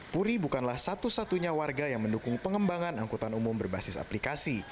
puri bukanlah satu satunya warga yang mendukung pengembangan angkutan umum berbasis aplikasi